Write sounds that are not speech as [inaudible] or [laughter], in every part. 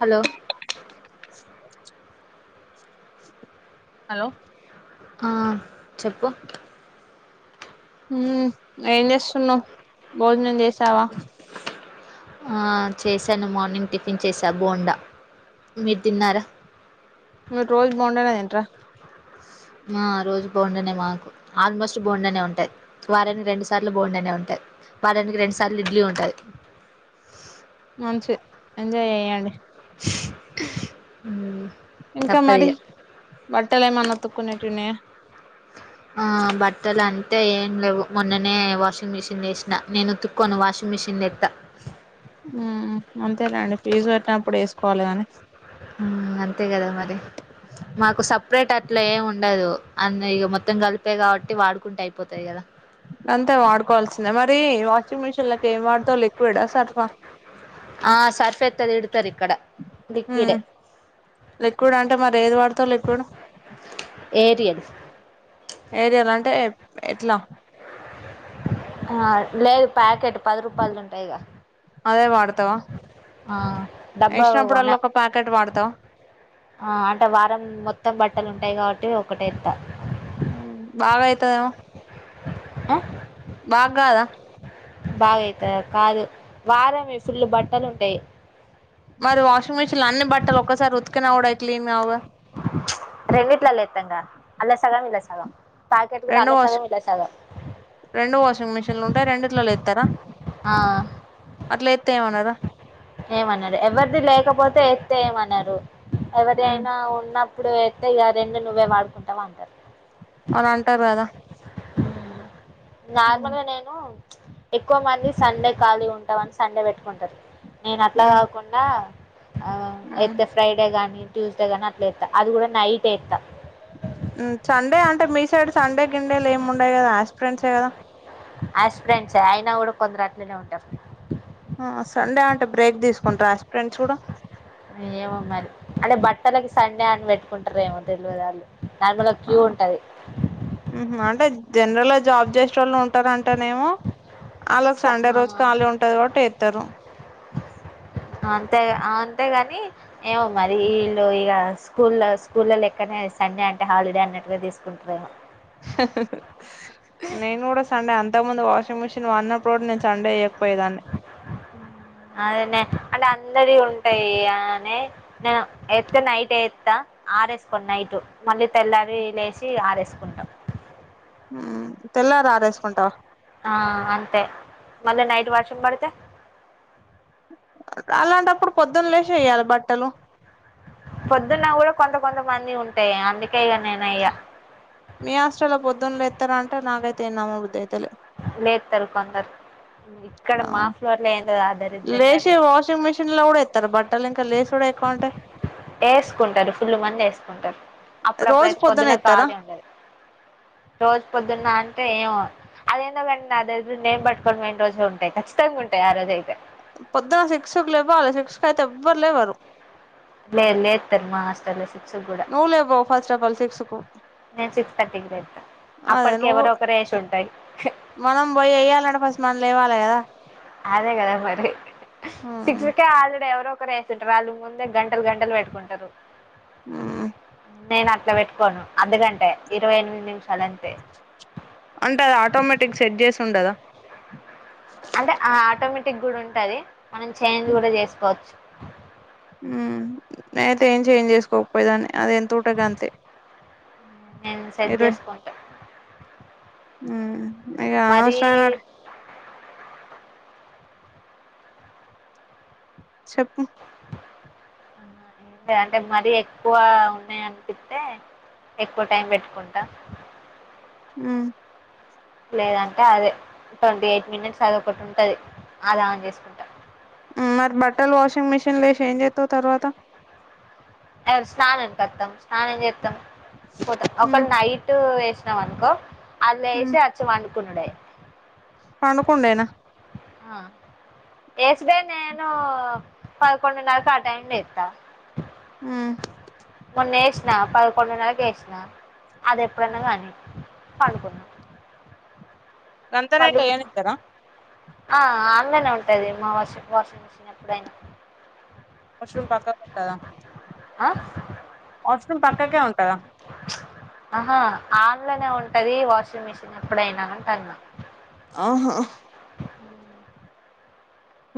Hello hello ఆ చెప్పు హ్మ్ ఏంచేస్తున్నావ్ భోజనం చేసావా ఆ చేశాను మార్నింగ్ టిఫిన్ చేసా బోండా మీరు తిన్నారా రోజు బొండనేతింట్రా ఆ ఆ రోజు బొండనే మాకు ఆల్మోస్ట్ బొండనే ఉంటాయి వారని రెండు సార్లు బొండనే ఉంటాయి వారానికి రెండు సార్లు ఇడ్లీ ఉంటది మంచిద్ ఎంజాయ్ చేయండి మ్, ఇంకా మరి తప్పదిగా బట్టలేమనా ఉతుకునేటియిన్నాయా ఆ బట్టలు అంతే ఏం లేవు మొన్ననే వాషింగ్ మిషన్లో ఎస్స్న నేను ఉతుక్కొను వాషింగ్ మిషిన్ తెత హ్మ్ అంతేలేండి ఫీజు కట్నపుడు వేసుకోవాలి గాని మ్, అంతే కదా మరి మాకు సపరేట్ అట్లా ఏమి ఉండదు అన్న ఇక మొత్తం కలిపే కాబట్టి వాడుకుంటే అయిపోతాయి కదా అంతే వాడుకోల్స మరి వాషింగ్ మిషిన్లకి ఏం వాడతావ్ లిక్విడ్ అ సర్ఫా ఇతే తిడ్తారు ఇక్కడ హ్మ్ లిక్విడే లిక్విడ్ అంటే మరి ఏది వాడతావ్ లిక్విడ్ ఏరియల్ ఏరియాల్ అంటే ఎట్లా ఆ లేదు ప్యాకెట్ పది రూపాయల్ద్ ఉంటైగా అదే వాడతావా ఆ డబ్బా వేసినప్పుడల్లా కొన్న ఒక ప్యాకెట్ వాడతావా ఆ అంటే వారం మొత్తం బట్టలు ఉంటాయి కాబట్టి ఒకటేంత ఆ మక్కాదా బాగైత కాదు వారమే ఫుల్లు బట్టలు ఉంటాయి మరి వాషింగ్ మిషిన్ లో అన్ని బట్టలు ఒక్కసారి ఉతికినా కూడా అవి క్లీన్ కావ్గా అలా సగం ఇలా సగం ప్యాకెట్ కూడా రెండు అల్ల వాష్ సగం ఇలా సగం రెండు వాషింగ్ మిషిన్లు ఉంటే రెండింటిలో లేతర ఆ తెమన్నారు ఏమన్నాడు ఎవర్ది లేకపోతే తే ఏమన్నారు ఉమ్ ఎవరియానా ఉన్నప్పుడు అయితే రెండు నువ్వే వాడుకుంటావ అంటారు మారంటారు కదా ఉమ్ నార్మల్గ నేను ఎక్కువ మంది సండే కాలి ఉంటామని సండే పెట్టుకుంటారు నేను అట్లా ఉమ్ కాకుండా ఆ ఉమ్ ఐతే ఫ్రైడే గాని ట్యూస్డే గానీ అట్లా ఎత్తా అది కూడా నైట్ ఎస్తా సండే అంటే మీ సైడ్ సండే గిండేలు ఏమి ఉండయి కదా యాస్పిరెంట్సే కదా ఆస్పిరంట్స్ అయినా కూడా కొందరు అట్లునే ఉంటారు ఆ సండే అంటే బ్రేక్ తీసుకుంటరా ఆస్పిరంట్స్ కూడా ఏమో మరి అంటే బట్టలకి సండే అని పెట్టుకుంటారేమో తెలియదళ్ళు నార్మల్గా ఆ క్యూ ఉంటది ఉహు అంటే జనరల్ గా జాబ్ చేసేటోళ్ళు ఉంటారంటానేమో వాళ్ళకి సండే రోజు ఖాళీ ఉంటది కాబట్టి వస్తారు అంతే అంతేగాని ఏమో మరి ఈళ్ళు ఇగ స్కూల్లు స్కూల్లో లెక్కనే సండే అంటే హాలిడే అన్నట్టుగా తీసుకుంటరు నేను కూడా సండే అంత ముందు వాషింగ్ మిషన్ వా రోడ్ నుంచి అండే ఏయకపోయేదాన్ని అందరి ఉంటాయి అని నేను ఎత్తే నైట్ ఎత్తే ఆరేసుకోండి నైట్ మళ్ళీ తెల్లారి లేసి ఆరేసుకుంటాం ఉ తెల్లారి ఆరెసుకుంటా ఆ అంతే మళ్ళ నైట్ వర్షం బడితే అలాంటప్పుడు పొద్దున్న లేచి వెయ్యాలి బట్టలు పొద్దున్న కూడా కొంత కొంతమంది ఉంటాయి అందుకే ఇక నేను ఇగ మీ హాస్టల్లో పొద్దున లేత్తార అంటే నాగైతే నమ్మబుద్ధి అయితలే లేదు తారు కొందరు ఇక్కడ ఆ మా ఫ్లోర్ లో ఏందో ఆ దరిద్రం గాని లేసి వాషింగ్ మిషిన్ లో కూడా ఎత్తారు బట్టలు ఇంకా లేస కూడా కొంటే వేసుకుంటారు ఫుల్ మంది వేసుకుంటారు రోజు అప్పుడప్పుడయితే పొద్దున పొద్దున్న ఎత్తరా ఖాళీ ఉండదు రోజ పొద్దున నా ఏమో అదేందో కాని నా దగ్గర నేం పట్టుకొని పోయిన రోజులు ఉంటాయి ఖచ్చితంగా ఉంటాయి ఆ రోజు అయితే పొద్దున శిక్షకులు ఇవ్వాలి శిక్షకు అయితే ఎవ్వరు లేవ్వరు లేే లే ఇ తర్మా అస్ అలా సిక్ నువ్వులే ఫస్ట్ ఆఫ ఆల్ సిక్స్కు నేను సిక్స్ థర్టీకి లేత్తా అదే అప్పటికి నువ్వు ఎవరో ఒకరు వేసి ఉంటాయి మనం పోయి ఎయ్యలంట ఫస్ మన లేవాలా కదా అదే కదా మరి మ్మ్ సిక్స్కే ఆడే ఎవరు క్క వేస్తుంటారు వాళ్ళ ముందే గంటలు గంటలు పెట్టుకుంటారు ఉ నేను అట్ల పెట్టుకోను అందుకంటే ఇరవై ఎనిమిది నిమిష అంటే అది ఆటోమేటిక్ సెట్ చేసి ఉండదా అంటే ఆ ఆటోమేటిక్ కూడా ఉంటది మనం చేంజ్ కూడా చేసుకోవచ్చు ఉ నేనైతే ఏం చేంజ్ చేసుకోకపోయేదాన్ని అదేంత తోట గంతే నేను సెట్ ఇరు చేసుకుంటా అ ఇగ మరీ అనవసరమైన వాటికి చెప్పు ఏ అంటే మరీ ఎక్కువ ఉన్నాయి అనిపిస్తే ఎక్కువ టైం పెట్టుకుంటా ఆ లేదంటే అదే ట్వంటీ ఎయిట్ మినిట్స్ అదొ ఒకటి ఉంటది అది ఆన్ చేసుకుంటా ఆ మరి బట్టలు వాషింగ్ మిషిన్ లేసి ఏంజ్ అవుతా తర్వాత ఎ స్నానానికి వత్తం స్నానం చెత్తం పోతాం ఒక ఉమ్ నైట్ వచ్చినవనుకో అంద్ల ఉమ్ ఎషి అచ్చి పండుకుండుడే పండుకుండేనా ఆ యేసుడే నేను పదకొండున్నరకు ఆ టైమ్ లేత్తా ఉ నేసిన పదకొండునరకు ఎష్న అది ఎప్పుడైనా గాని పండుకున్న గంతరేటు ఎయనిత్తరా ఆ ఆన్ లోనే ఉంటది మా వాషిప్ వాషింగ్ మిషన్ ఎప్పుడైనా వాష్రూమ్ పక్కకు ఉంటదా ఆ వాష్రూమ్ పక్కకే ఉంటదా ఆహా ఆన్లోనే ఉంటది వాషింగ్ మిషిన్ ఎప్పుడైనా అంటాన్నా అహ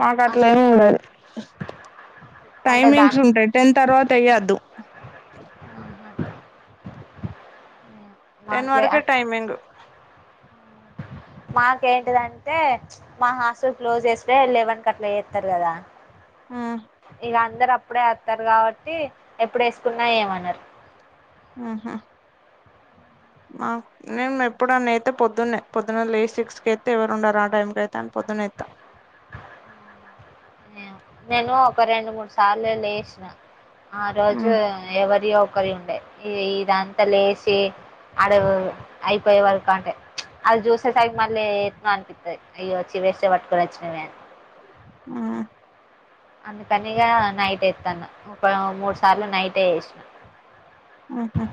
మాకు అ అట్లెం ఉండదు అంటే టైమింగ్స్ దాని ఉంటాయి టెన్ తర్వాత ఎయ్యొద్దు టెన్ మాకులే వరకే టైమింగ్ మాకేంటిదంటే మా హాస్టల్ క్లోజ్ చేస్తే లెవెన్కి అట్ల ఎత్తరు కదా ఉమ్ ఇగ అందరు అప్పుడే వత్తారు కాబట్టి ఎప్పుడు ఏసుకున్నా ఏమనరు ఆహా మా నేను ఎప్పుడు అని అయితే పొద్దున్నె పొద్దున్న లే సిక్స్ కయితే ఎవరు ఉండరు ఆ టైమ్ కయితే అని పొద్దు పొద్దునేత్త నేను ఒక రెండు మూడు సార్లు లేసిన ఆ రోజు ఉమ్ ఎవరియో ఒకరి ఉండే ఇదంతా లేచి అడ అయిపోయే వరకు అంటే అది జూసే సరికి మళ్ళీ ఎట్లనో అనిపిస్తది అయ్యో వచ్చి వేస్ట్ గా పట్టుకొని వచ్చినమే అని ఆ అందుకనిగా నైట్ ఎత్తాన్న ఒక మూడు సార్లు నైటె ఏసిన ఉహు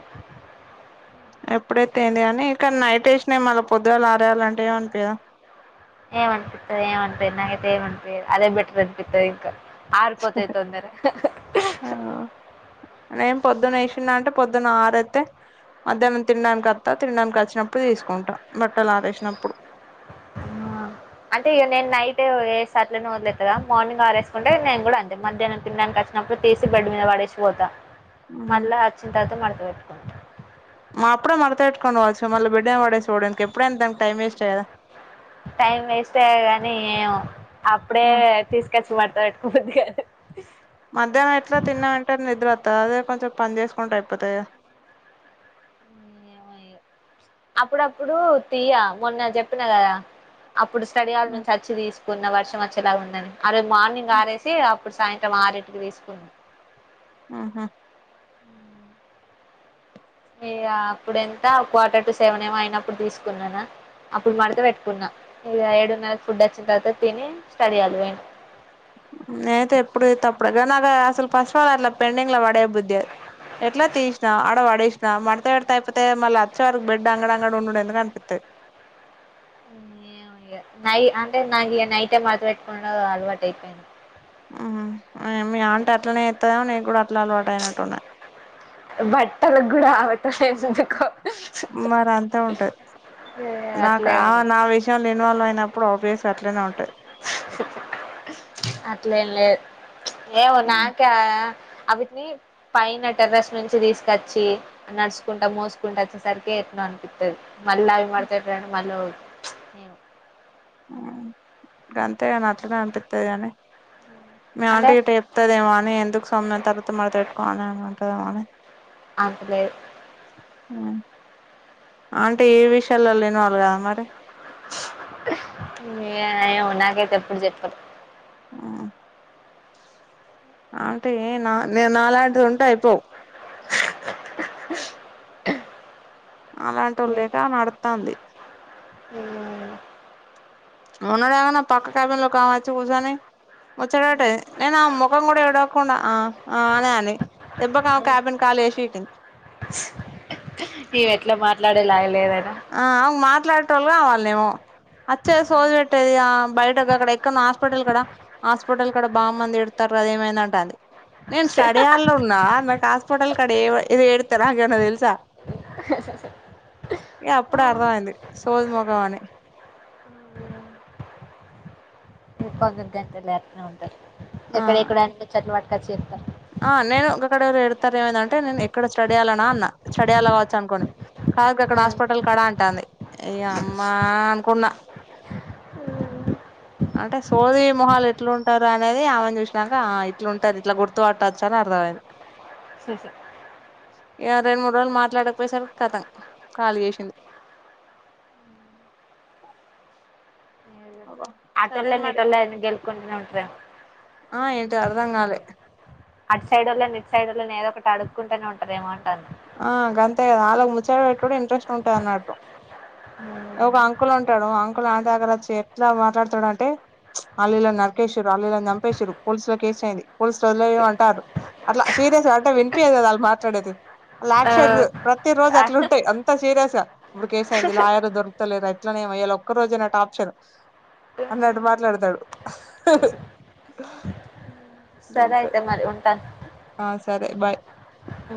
ఎప్పుడైతే ఏంది కానీ కని నైట్ వేసిన మళ్ళీ పొద్దుగాలు ఆరెయాలంటే ఎం అనిపిద ఏం అనిపిత్తది ఏం అనిపిదు నాకైతే ఏం అనిపిదు అదే బెటర్ అనిపిత్తది ఇంక ఆరుపోతయి తొందర ఆ నేను పొద్దున్న ఏసిన్న అంటే పొద్దున్న ఆరైతే మధ్యాహ్నం తినడానికి వత్త తినడానికి వచ్చినప్పుడు తీసుకుంటాం బట్టలు ఆరెసినప్పుడు ఆ అంటే ఇగ నేను నైట్ ఏసి అట్లనే వదిలేత్త కదా మార్నింగ్ ఆరేసుకుంటే నేను కూడా అంతే మధ్యానం తినడానికి అచ్చినప్పుడు తీసి బెడ్ మీద పడేసి పోతా మళ్ళా వచ్చిన తర్వాత మడత పెట్టుకుంటా మాప్పుడే మరత పెట్టుకోవచ్చు మళ్ళ బెడ్ మీద పడేసిపోవుడెందుకు ఎప్పుడైనా దానికి టైం వేస్ట్ కదా టైం వేస్టే గాని ఏమో అప్పుడే తీసుకచ్చి పెట్ట బుద్ధి కాదు మధ్యానం ఎట్లో తిన్న వెంటనే నిద్ర వత్తాది అదే కొంచెం పని చేసుకుంటే అయిపోతది కదా ఏమో ఇగ అప్పుడప్పుడు తీయ మొన్న జెప్పిన కదా అప్పుడు స్టడీ హాల్ నుంచి అచ్చి తీసుకున్న వర్షం వచ్చేలా ఉందని అరే మార్నింగ్ ఆరేసి ఇప్పుడు సాయంత్రం ఆరు ఇంటికి వేసుకుంది. ఆహా హ మీ గా అప్పుడ ఎంత క్వార్టర్ టు సెవెన్ ఏమ అయినప్పుడు తీసుకున్నానా అప్పుడు మడితే పెట్టుకున్నా ఇ ఏడున్నరకి ఫుడ్ వచ్చిన తర్వాత తిని స్టడయాలి వయి నేయితే ఎప్పుడ తప్పుడుగా నాక అసలు పశుాల అట్లా పెండింగ్ లా పడే బుద్ధి ఎట్లా తీసిన ఆడ వడేసిన తా మడత పెడితే అయిపోతే మళ్ళీ వచ్చే వరకు బెడ్ అంగడ అంగడ ఉండు ఎందుకు అనిపిత్తది. ఏమో ఇగ నై అంటే నాకి ఇ నైట్ మడత పెట్టుకుండా అలవాటు అయిపోయింది. ఉ మీ అంటే అట్లనే ఎత్తదో నేను కూడా అట్లా అలవాటు అయినట్టున్నా. బట్టల కూడా ఆమెతో చేపించకు మరి అంతా ఉంటది. నాక అట్లే నా విషయంలో ఇన్వాల్వ్ అయినప్పుడు ఆబ్వియస్ అట్లనే ఉంటాది. [inaudible] లే లెద్ ఏమొ నాకా అవిట్ని పైన టెర్రస్ నుంచి తీసుకొచ్చి నడుచుకుంటా, మోసుకుంటూ వచ్చేసరికి ఎట్ అనిపిస్తుంది మళ్ళీ అవి మడత నన్ మలో ప్చ్ అంతే కాని అట్లానే అనిపిత్తది కానీ మీ అంటే ఆంటే ఇట్ట చెప్తదేమో అని ఎందుకు సమ్మె తర్వాత మతే పెట్టుకోని అన అంటదమని అంతలేదు అంటే ఏ విషయాల్లో ఇన్వాల్ గా మరి ఏ ఏమొ నాకైతే ఎప్పుడు చెప్పదు ఆ అంటే ఏ నా నాలాంటిది ఉంటే అయిపోవు అలాంటిళ్ళ లేక నడుతంది అవునవును ఇంగ అవునా నా పక్కన ఓకామె వచ్చి కూసోని వచ్చడటే నేను ఆ ముఖం కూడా ఇడవకుండా ఆ ఆ అనే అని తెప్పంగా కబిన్ కాల వేషంది. దే లేగలేదా ఆ అమె మాట్లాటాం లో వాళ్ళమో అచ్చే సోది పెట్టేది ఆ బయట అక్కడ ఎక్కన హాస్పిటల్ కడ హాస్పిటల్ కడ బాగు మంది ఎడతారు. వాదేమయినా కానీ నేను స్టడి అవర్ లో ఉన్నా నాకు ఆస్పోటల్ కడ ఏవ ఎడుత్తరా గదా తెలుసా ఏ అప్పుడు అర్థంమయింది సోజ ముఖం అని కొందరు గంటలు లేరుతనే ఉంటారు ఆ ఎక్కడ ఎక్కడ అంటలో చెట్లలు పటుకా చేస్తారు ఆ నేను ఇక్కడరు ఎడతారు ఏమైందంటే నేను ఎక్కడ స్టడీ అలనా అన్నా స్టడీ అల కావచ్చు అనుకోని కాజగా అక్కడ హాస్పిటల్ కడా అంటుంది ఏయ అమ్మా అనుకున్నా అంటే సోదీ మొహల్ ఎట్లు ఉంటారు అనేది ఆమెను చూసినాక ఆ ఇట్లు ఉంటారు ఇట్లా గుర్తుపట్టారుచ్చ వాయును స స ఇగ రెండు మూడు రోజులు మాట్లాడకపోయె సరికి కతం ఖాళ చేసింది. అ ఆటల్ మరి నిటల్ గెల్కొంట న ఉంట్ర ఆ ఏంటీ అర్ధం కాలే అటు సైడ్ వొళ్లని ఇటు సైడ్ వొళ్లని ఏదోకటి అడుకుంటనే ఉంటేనే ఏమోంట ఆ గంతే కదా ఆలు ముచ్చడి పెట్టు కూడా ఇంట్రెస్ట్ ఉంటుది అన్నట్టు అవును ఒక అంకుల్ ఉంటాడు అంకుల్ ఆంటి దగ్గర వచ్చి ఎట్లా మాట్లాడతాడు అంటే అల్లిలాని నరికేశారు ఆన్ చంపేసిర్రు పోలీసు లో కేసు అయింది పోలీసులు వదిలేమాంటార్రు అంటారు అలా సీరియస్ గా అంటే వినిపియదు ఆలు మాట్లాడ ఉంటది లెక్షరు ప్రతి రోజు ఆ అట్లుంటాయి అంతా సీరియస్ ఇప్పుడు కేస్ అయింది లాయర్ దొ లేదు ఎట్లనేమో ఇవాళ ఒక్క రోజేనా టార్చర్ అన్నట్టు మాట్లాడతాడు సరే అయితే మరి ఉంటాను ఆ సరే బాయ్ ఉ